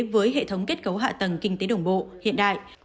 với hệ thống kết cấu hạ tầng kinh tế đồng bộ hiện đại